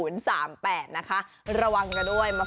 นะคะระวังกันด้วย